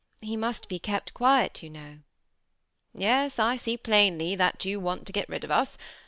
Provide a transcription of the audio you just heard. He must be kept quite quiet, you know. " Yes, I see plainly that you want to get rid of us.